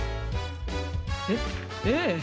えっええ。